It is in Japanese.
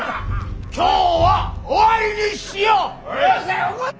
今日は終わりにしよう。